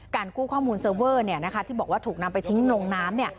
กู้ข้อมูลเซอร์เวอร์ที่บอกว่าถูกนำไปทิ้งลงน้ำ